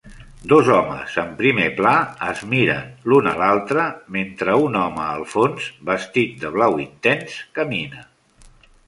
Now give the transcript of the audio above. Dos homes en primer pla es miren l'un a l'altre mentre un home al fons vestit de blau intens camina.